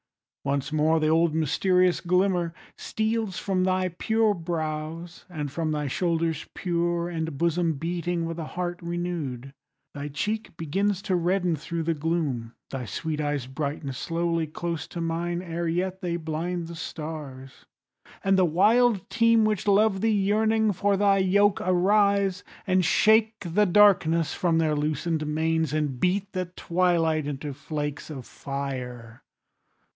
Once more the old mysterious glimmer steals From thy pure brows, and from thy shoulders pure, And bosom beating with a heart renew'd. Thy cheek begins to redden thro' the gloom, Thy sweet eyes brighten slowly close to mine, Ere yet they blind the stars, and the wild team Which love thee, yearning for thy yoke, arise, And shake the darkness from their loosen'd manes, And beat the twilight into flakes of fire.